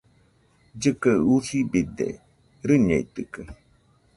Llɨkɨe usibide, rɨñeitɨkaɨ